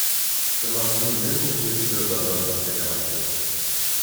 Eu nasci no mesmo dia que Deodoro da Fonseca nasceu.